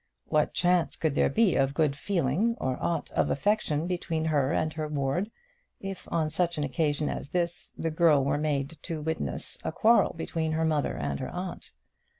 What chance could there be of good feeling, of aught of affection between her and her ward, if on such an occasion as this the girl were made the witness of a quarrel between her mother and her aunt?